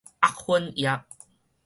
沃粉蛾